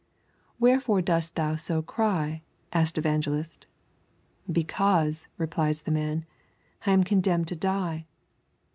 'Wherefore dost thou so cry?' asks Evangelist. 'Because,' replied the man, 'I am condemned to die.'